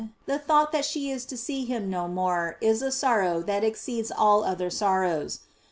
the thought that she is to see him no more is a sorrow that exceeds all other sorrows.